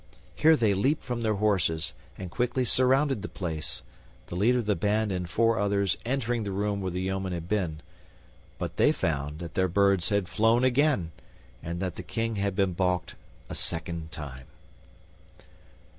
Here they leaped from their horses and quickly surrounded the place, the leader of the band and four others entering the room where the yeomen had been. But they found that their birds had flown again, and that the King had been balked a second time.